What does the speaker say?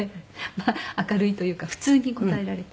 まあ明るいというか普通に答えられて。